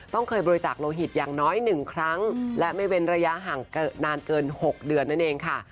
ต้องเคยบริจาคโลหิตอย่างน้อย๑ครั้งและไม่เว้นระยะห่างนานเกิน๖เดือนนั่นเองค่ะ